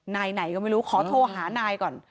นายไหนก็ไม่รู้ขอโทรหานายก่อน